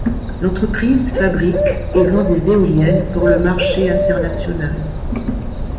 L'entreprise fabrique et vend des éoliennes pour le marché international.